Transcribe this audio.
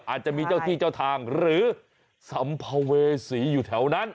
อาจจะมีเจ้าที่เจ้าทางหรือสัมภเวษีอยู่แถวนั้น